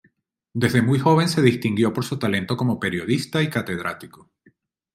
Desde muy joven se distinguió por su talento como periodista y catedrático.